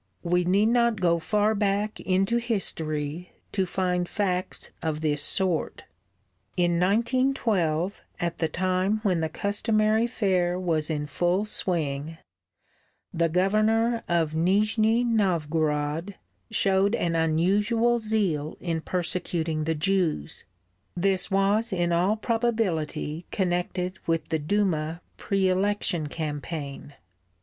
We need not go far back into history to find facts of this sort. In 1912 at the time when the customary fair was in full swing, the Governor of Nizhni Novgorod showed an unusual zeal in persecuting the Jews. This was in all probability connected with the Duma pre election campaign.